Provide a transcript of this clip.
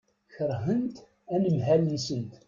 Keṛhent anemhal-nsent.